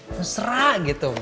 ngerusra gitu mami